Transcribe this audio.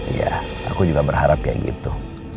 iya aku juga berharap kayak gitu